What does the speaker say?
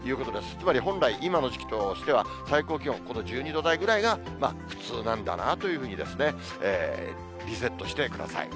つまり、本来今の時期としては、最高気温、この１２度台ぐらいが普通なんだなというふうに、リセットしてください。